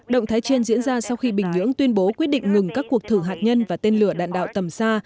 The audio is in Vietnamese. động thái trên diễn ra sau khi bình nhưỡng tuyên bố quyết định ngừng các cuộc thử hạt nhân và tên lửa đạn đạo tầm xa